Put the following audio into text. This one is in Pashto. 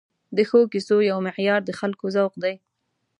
د ښو کیسو یو معیار د خلکو ذوق دی.